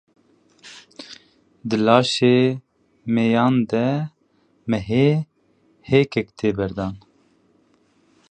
Di laşê mêyan de mehê hêkek tê berdan